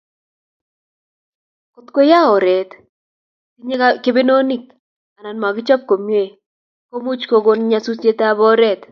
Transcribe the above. Kotko yaa oretye tinye kebenonik anan makichop komie ko much kokon nyasutiet ab oret